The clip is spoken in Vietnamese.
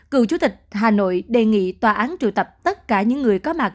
cựu chủ tịch hà nội đề nghị tòa án trụ tập tất cả những người có mặt